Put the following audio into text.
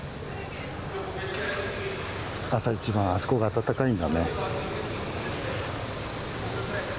朝一番あそこが暖かいんだね。